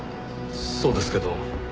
そうですけど。